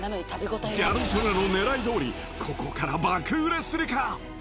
ギャル曽根のねらいどおり、ここから爆売れするか？